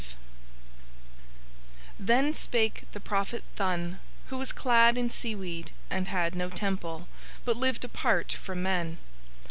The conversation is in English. V Then spake the prophet Thun, who was clad in seaweed and had no Temple, but lived apart from men.